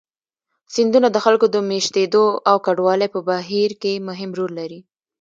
سیندونه د خلکو د مېشتېدو او کډوالۍ په بهیر کې مهم رول لري.